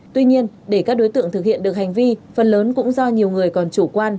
tuy nhiên để các đối tượng thực hiện được hành vi phần lớn cũng do nhiều người còn chủ quan